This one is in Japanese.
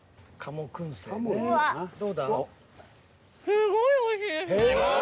すごいおいしいです。